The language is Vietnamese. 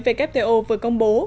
vkto vừa công bố